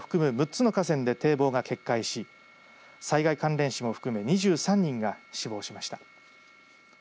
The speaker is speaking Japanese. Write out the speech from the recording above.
６つの河川で堤防が決壊し災害関連死も含む２３人が死亡しました。